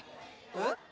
えっ？